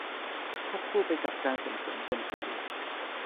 ควบคู่ไปกับการส่งเสริมกลไก